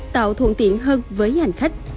tạo thuận tiện hơn với hành khách